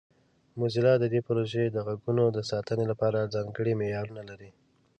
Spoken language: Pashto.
موزیلا د دې پروژې د غږونو د ساتنې لپاره ځانګړي معیارونه لري.